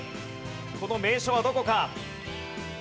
この名所はどこか？